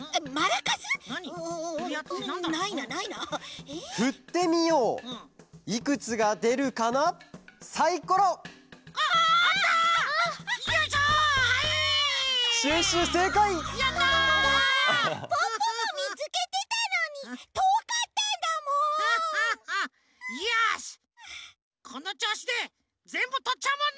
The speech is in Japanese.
このちょうしでぜんぶとっちゃうもんね！